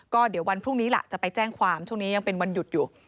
ก็เดี๋ยววันพรุ่งนี้ล่ะจะไปแจ้งความช่วงนี้ยังเป็นวันหยุดอยู่